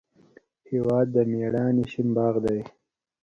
هېواد د میړانې شین باغ دی.